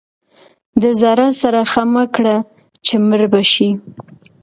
د زاړه سره ښه مه کړه چې مړ به شي.